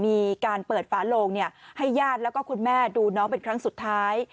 มีการเปิดฝาโลงให้ญาติแล้วก็คุณแม่ดูน้องเป็นครั้งสุดท้าย